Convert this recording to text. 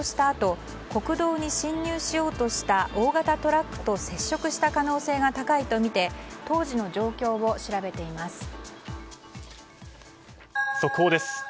あと国道に進入しようとした大型トラックと接触した可能性が高いとみて当時の状況を調べています。